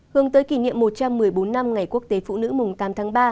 hướng tới kỷ niệm một trăm một mươi bốn năm ngày quốc tế phụ nữ mùng tám tháng ba